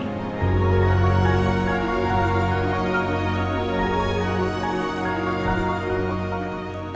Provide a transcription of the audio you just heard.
aku mau cari sendiri